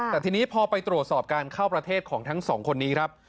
แต่ทีนี้พอไปตรวจสอบการเข้าประเทศของทั้งสองคนนี้ครับ